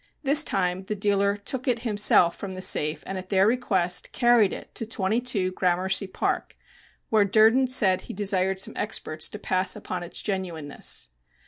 This time the dealer look it himself from the safe, and, at their request, carried it to 22 Gramercy Park, where Durden said he desired some experts to pass upon its genuineness.